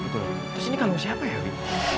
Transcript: terus ini kalung siapa ya dewi